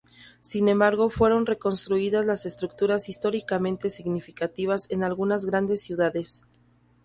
Sin embargo, fueron reconstruidas las estructuras históricamente significativas en algunas grandes ciudades.